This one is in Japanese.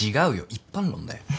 一般論だよ！